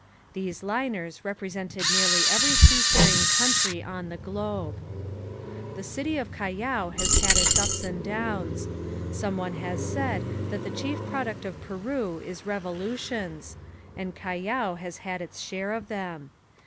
These liners represented nearly every sea faring country on the globe. The city of Callao has had its ups and downs. Some one has said that the chief product of Peru is revolutions and Callao has had its share of them.